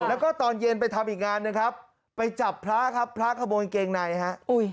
แล้วก็ตอนเย็นไปทำอีกงานหนึ่งครับไปจับพระครับพระขโมยเกงในฮะ